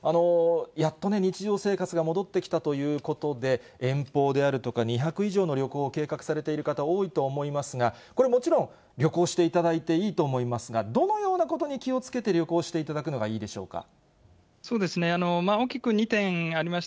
やっと日常生活が戻ってきたということで、遠方であるとか、２泊以上の旅行を計画されている方、多いとは思いますが、これ、もちろん、旅行していただいていいと思いますが、どのようなことに気をつけて旅行していただくのがいいでしょうか。